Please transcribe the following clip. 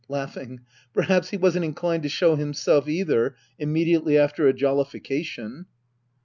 [Laughing,'] Perhaps he wasn't inclined to show himself either — immediately after a jollification.